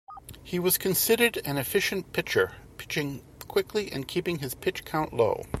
He was considered an efficient pitcher, pitching quickly and keeping his pitch count low.